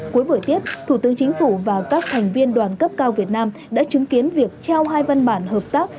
cuối buổi tiếp thủ tướng chính phủ và các thành viên đoàn cấp cao việt nam đã chứng kiến việc trao hai văn bản hợp tác